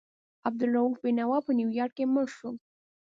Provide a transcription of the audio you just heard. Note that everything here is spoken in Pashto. عبدالرؤف بېنوا په نیویارک کې مړ شو.